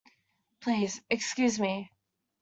Please excuse me.